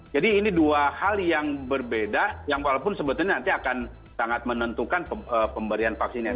jadi ini dua hal yang berbeda yang walaupun sebetulnya nanti akan sangat menentukan pemberian vaksinnya